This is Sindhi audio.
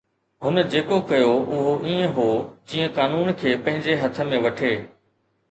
هن جيڪو ڪيو اهو ائين هو جيئن قانون کي پنهنجي هٿ ۾ وٺي